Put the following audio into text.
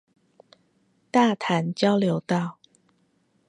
大潭交流道